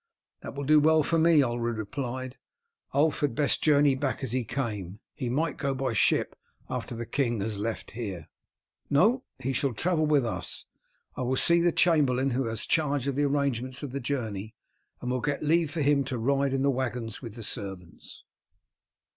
"That will do well for me," Ulred replied. "Ulf had best journey back as he came. He might go by ship after the king has left here." "No, he shall travel with us. I will see the chamberlain who has charge of the arrangements of the journey, and will get leave for him to ride in the waggons with the servants."